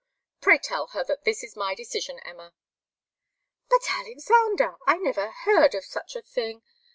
Pray tell her that this is my decision, Emma." "But, Alexander, I never heard of such a thing!